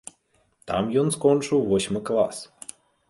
Там ён скончыў восьмы клас.